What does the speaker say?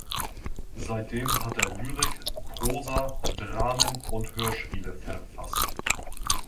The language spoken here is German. Seitdem hat er Lyrik, Prosa, Dramen und Hörspiele verfasst.